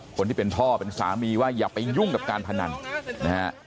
คนที่เป็นพ่อเป็นสามีว่าอย่าไปยุ่งกับการพนันนะฮะ